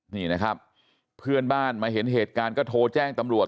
นี่นะครับเพื่อนบ้านมาเห็นเหตุการณ์ก็โทรแจ้งตำรวจ